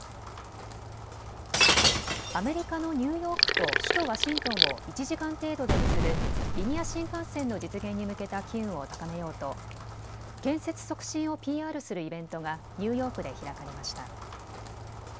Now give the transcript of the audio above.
アメリカのニューヨークと首都ワシントンを１時間程度で結ぶリニア新幹線の実現に向けた機運を高めようと建設促進をＰＲするイベントがニューヨークで開かれました。